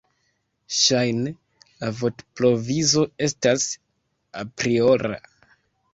Ŝajne la vortprovizo estas apriora.